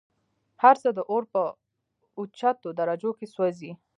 هرڅه د اور په اوچتو درجو كي سوزي